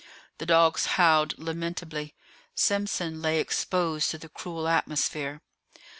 The dogs howled lamentably. Simpson lay exposed to the cruel atmosphere.